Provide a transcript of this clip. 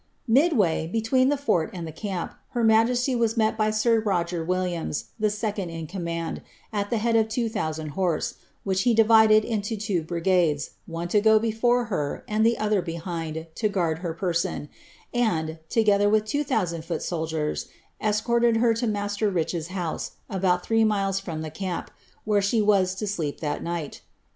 Midway, between the fort and the camp, her majesty was met by sir Roger Williams, the second in command, at the head of two thousand horse, which he divided into two brigades, one to go before her, and the other behind to ffuard her person, and, together with two thousand foot soldiers, escorted her to master Rich's house, about three miles firom the campy where she was to sleep that night.